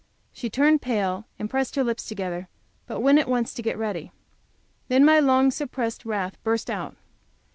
She turned pale, and pressed her lips together, but went at once to get ready. Then my long suppressed wrath burst out.